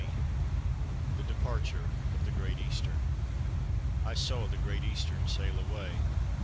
THE DEPARTURE OF THE GREAT EASTERN. I saw the Great Eastern sail away.